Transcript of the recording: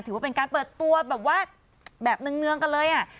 ถือว่าเป็นการเปิดตัวแบบว่าแบบเนืองกันเลยอ่ะ